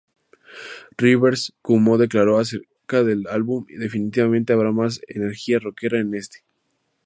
Rivers Cuomo declaró acerca del álbum: "Definitivamente habrá más energía rockera en este".